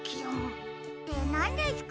ってなんですか？